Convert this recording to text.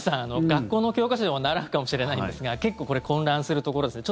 学校の教科書でも習うかもしれないんですが結構これ混乱するところですね。